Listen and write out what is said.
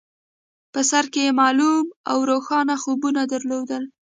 په سر کې يې معلوم او روښانه خوبونه درلودل.